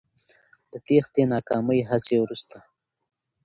د تېښتې ناکامې هڅې وروسته